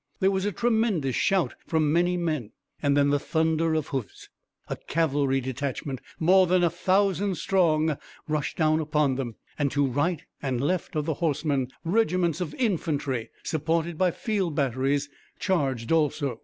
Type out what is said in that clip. There was a tremendous shout from many men, and then the thunder of hoofs. A cavalry detachment, more than a thousand strong, rushed down upon them, and to right and left of the horse, regiments of infantry, supported by field batteries, charged also.